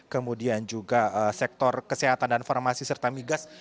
kemudian juga sektor kesehatan dan farmasi serta migas